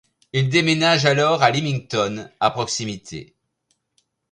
Ils déménagent alors à Lymington, à proximité.